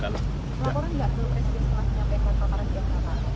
berlaporan tidak dulu residen sekolah menyampaikan paparan yang mana